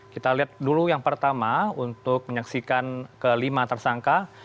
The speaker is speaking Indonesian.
kita lihat dulu yang pertama untuk menyaksikan kelima tersangka